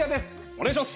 お願いします！